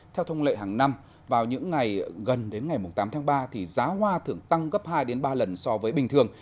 theo thông lệ hàng năm vào những ngày gần đến ngày tám tháng ba thì giá hoa thường tăng gấp hai ba lần so với bình thường